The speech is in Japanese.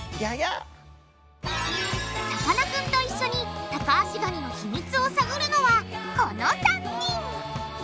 さかなクンと一緒にタカアシガニの秘密を探るのはこの３人。